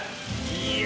いや。